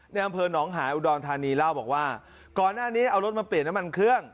ในอำเภอหนองหายอุดรธานีเล่าบอกว่าก่อนหน้านี้เอารถมาเปลี่ยนน้ำมันเครื่อง